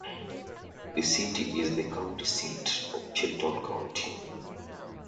The city is the county seat of Chilton County.